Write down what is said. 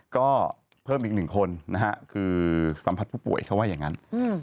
ก็เพิ่มอีกหนึ่งคนนะฮะคือสัมผัสผู้ป่วยเขาว่าอย่างนั้น